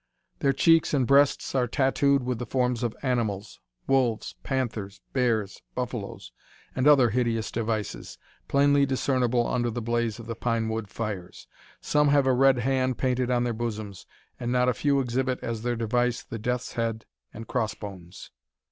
Their cheeks and breasts are tattooed with the forms of animals: wolves, panthers, bears, buffaloes, and other hideous devices, plainly discernible under the blaze of the pine wood fires. Some have a red hand painted on their bosoms, and not a few exhibit as their device the death's head and cross bones!